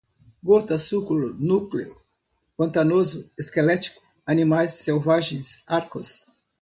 gota, suco, núcleo, pantanoso, esquelético, animais selvagens, arcos